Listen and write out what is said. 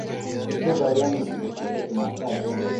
kutoka Alhamisi kufika Jumatatu